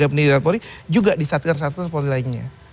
di lembaga pendidikan polri juga di satker satker polri lainnya